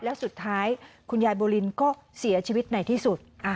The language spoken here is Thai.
แล้วสุดท้ายคุณยายบูลินก็เสียชีวิตในที่สุด